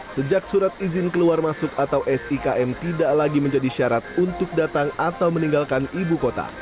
sejak surat izin keluar masuk atau sikm tidak lagi menjadi syarat untuk datang atau meninggalkan ibu kota